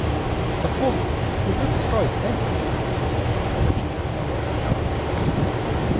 "Of course you have destroyed the papers?" she asked, when she had somewhat recovered herself.